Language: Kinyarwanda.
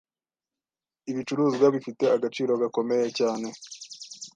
ibicuruzwa bifite agaciro gakomeye cyane.